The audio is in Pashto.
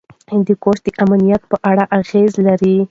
هندوکش د امنیت په اړه اغېز لري.